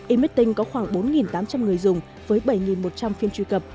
emitting có khoảng bốn tám trăm linh người dùng với bảy một trăm linh phiên truy cập